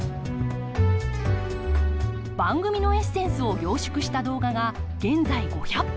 番組のエッセンスを凝縮した動画が現在５００本。